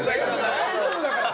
大丈夫だから。